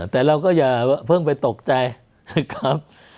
แต่เราก็อย่าเพิ่งไปตกใจนะครับ